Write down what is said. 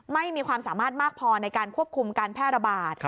ไม่มีความสามารถมากพอในการควบคุมการแพร่ระบาด